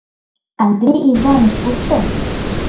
— Андрей Иваныч кушто?